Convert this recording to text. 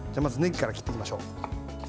まずねぎから切っていきましょう。